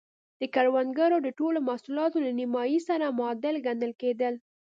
د کروندګرو د ټولو محصولاتو له نییمایي سره معادل ګڼل کېدل.